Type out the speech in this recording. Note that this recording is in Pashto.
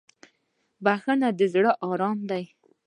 بخښنه د زړه ارامي ده.